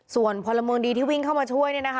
ส่วนพลเมิงดีที่วิ่งเข้ามาช่วยเนี่ยนะคะ